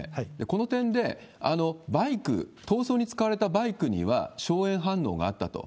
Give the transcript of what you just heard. この点で、バイク、逃走に使われたバイクには硝煙反応があったと。